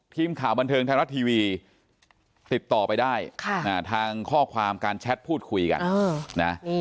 ทีมข่าวบันเทิงไทยรัฐทีวีติดต่อไปได้ทางข้อความการแชทพูดคุยกันนะ